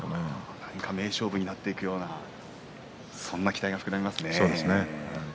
なにか名勝負になるようなそんな期待が膨らみますね。